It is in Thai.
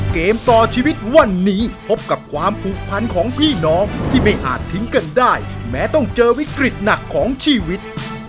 เกมต่อชีวิตวันนี้พบกับความผูกพันของพี่น้องที่ไม่อาจทิ้งกันได้แม้ต้องเจอวิกฤตหนักของชีวิต